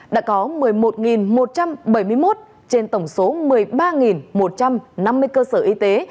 đã có một mươi một một trăm bảy mươi một trên tổng số một mươi ba một trăm năm mươi cơ sở y tế